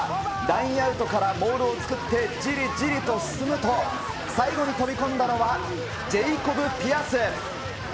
ラインアウトからモールを作ってじりじりと進むと、最後に飛び込んだのはジェイコブ・ピアス。